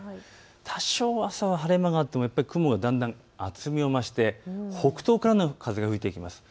多少、朝は晴れ間があってもだんだん雲が厚みを増して北東からの風が吹いてきます。